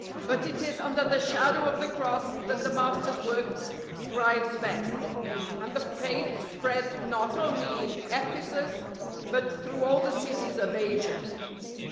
But it is under the shadow of the Cross that the Master's work thrives best; and the Faith spread not only in Ephesus, but through all the cities of Asia.